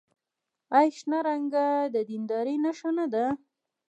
آیا شنه رنګ د دیندارۍ نښه نه ده؟